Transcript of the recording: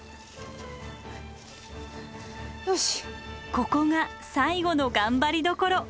ここが最後のがんばりどころ。